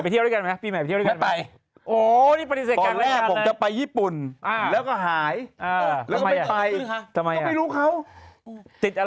แบบคุณไม่สัญญาไปแล้วคุณ